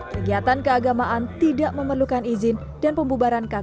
kegiatan keagamaan tidak memerlukan izin dan pembubaran kkr di sabuga